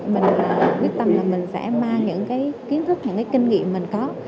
mình quyết tâm là mình sẽ mang những cái kiến thức những cái kinh nghiệm mình có